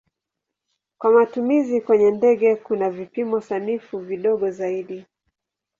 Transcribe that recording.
Kwa matumizi kwenye ndege kuna vipimo sanifu vidogo zaidi.